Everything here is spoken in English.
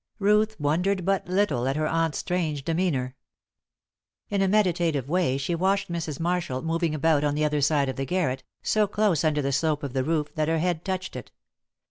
Ruth wondered but little at her aunt's strange demeanour. In a meditative way she watched Mrs. Marshall moving about on the other side of the garret, so close under the slope of the roof that her head touched it.